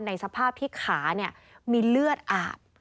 ในสภาพที่ขามีเลือดอาบ